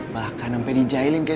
bahkan sampe dijahelin kek